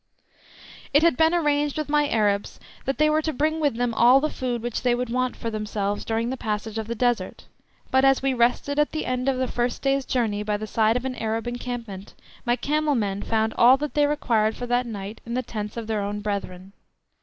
It had been arranged with my Arabs that they were to bring with them all the food which they would want for themselves during the passage of the Desert, but as we rested at the end of the first day's journey by the side of an Arab encampment, my camel men found all that they required for that night in the tents of their own brethren.